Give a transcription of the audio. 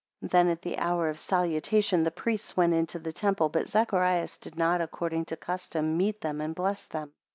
18 Then at the hour of salutation the priests went into the temple but Zacharias did not according to custom, meet them and bless them.